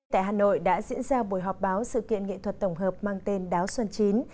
tại hà nội đã diễn ra buổi họp báo sự kiện nghệ thuật tổng hợp mang tên đáo xuân chín